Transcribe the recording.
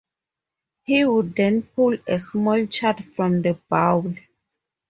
He would then pull a small child from the bowl.